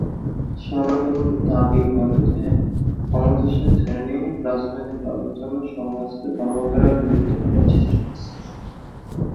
সনাতন দাবি করে যে ক্ষমতাসীন শ্রেণি রাজনৈতিক লাভের জন্য সমাজকে ধর্ম দ্বারা বিভক্ত করার চেষ্টা করছে।